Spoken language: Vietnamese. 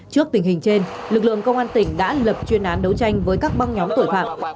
trước tình hình trên lực lượng công an tỉnh đã lập chuyên án đấu tranh với các băng nhóm tội phạm